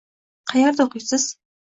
Qayerda o'qiysiz?